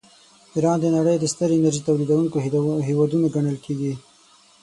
ایران د نړۍ د ستر انرژۍ تولیدونکي هېوادونه ګڼل کیږي.